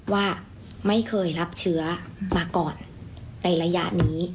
ว่าไม่เคยรับเชื้อมาก่อนในระยะนี้